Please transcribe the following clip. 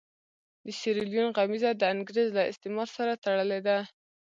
د سیریلیون غمیزه د انګرېز له استعمار سره تړلې ده.